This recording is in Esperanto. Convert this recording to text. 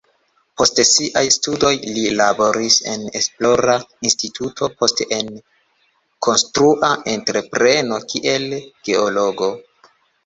Post siaj studoj li laboris en esplora instituto, poste en konstrua entrepreno kiel geologo.